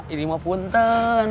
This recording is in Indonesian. ini mah punten